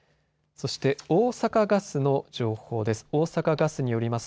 そして、大阪ガスの情報です。